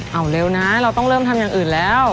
เอาเร็วนะเราต้องเริ่มทำอย่างอื่นแล้ว